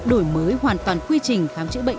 đổi mới hoàn toàn quy trình khám chữa bệnh